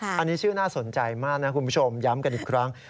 อันนี้ชื่อน่าสนใจมากนะคุณผู้ชมย้ำกันอีกครั้ง